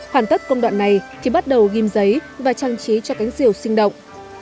hoàn tất công đoạn này thì bắt đầu ghim giấy và trang trí cho cánh diều sinh động